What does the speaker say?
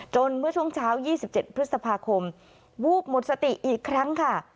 เมื่อช่วงเช้า๒๗พฤษภาคมวูบหมดสติอีกครั้งค่ะ